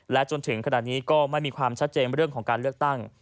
จนถึงขณะนี้ก็ไม่มีความชัดเจนเรื่องของการเลือกตั้ง